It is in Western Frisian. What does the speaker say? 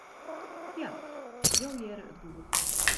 Ja, jo hearre it goed.